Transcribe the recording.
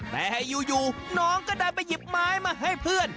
แต่อยู่น้องก็ได้ไปหยิบไม้มาให้เพื่อน